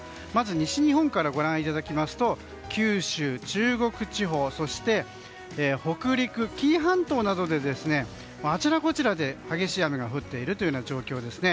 西日本からご覧いただきますと九州、中国地方そして北陸、紀伊半島などあちらこちらで激しい雨が降っている状況です。